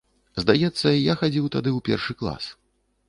Здаецца, я хадзіў тады ў першы клас.